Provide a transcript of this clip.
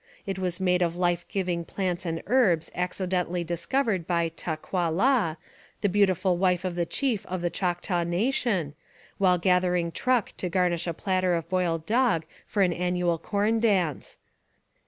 It was made of life giving plants and herbs acci dentally discovered by Ta qua la, the beautiful wife of the chief of the Choctaw Nation, while gathering truck to garnish a platter of boiled dog for an annual corn dance.